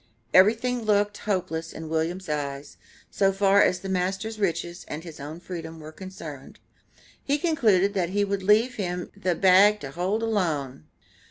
Everything looked hopeless in William's eyes, so far as the master's riches and his own freedom were concerned. He concluded that he would leave him the "bag to hold alone."